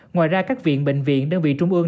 ngoài ra các viện bệnh viện đơn vị trung ương